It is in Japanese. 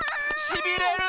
しびれる！